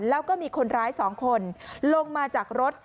แล้วก็มีคนร้าย๒คนลงมาจากรถ